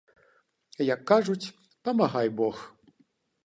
Як кажуць, памагай бог.